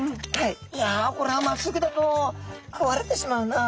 「いやあこれはまっすぐだと食われてしまうな」。